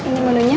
ini menu nya